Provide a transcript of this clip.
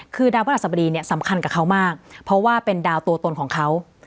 คือดาวพระราชสบดีเนี่ยสำคัญกับเขามากเพราะว่าเป็นดาวตัวตนของเขา